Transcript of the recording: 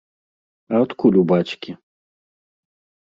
А адкуль у бацькі?